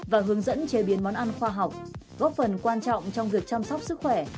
và hướng dẫn chế biến món ăn khoa học góp phần quan trọng trong việc chăm sóc sức khỏe